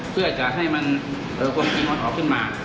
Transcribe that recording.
เพื่อจะให้ความจริงมันออกขึ้นมา